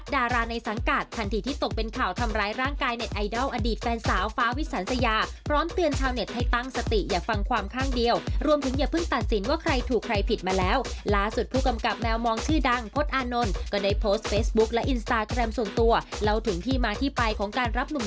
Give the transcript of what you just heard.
ดูสิคุณพจน์จะพูดว่าอย่างไรบ้างค่ะ